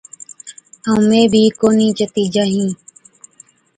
ائُون مين بِي ڪونھِي چتِي جانهِين۔